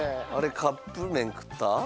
カップ麺食った？